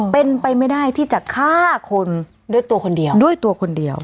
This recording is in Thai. เป็นไปไม่ได้ที่จะฆ่าคนด้วยตัวคนเดียวด้วยตัวคนเดียว